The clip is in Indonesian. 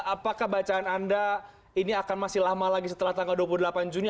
apakah bacaan anda ini akan masih lama lagi setelah tanggal dua puluh delapan juni